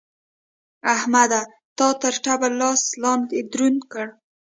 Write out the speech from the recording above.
احمده! تا تر تبر؛ لاستی دروند کړ.